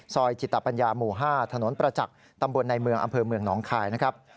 จิตปัญญาหมู่๕ถนนประจักษ์ตำบลในเมืองอำเภอเมืองหนองคายนะครับ